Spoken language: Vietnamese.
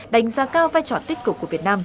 đánh giá cao vai trò tích cực của việt nam